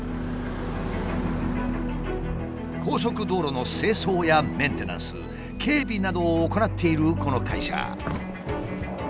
高速道路の清掃やメンテナンス警備などを行っているこの会社。